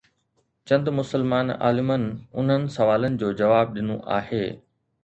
چند مسلمان عالمن انهن سوالن جو جواب ڏنو آهي.